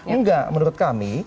enggak menurut kami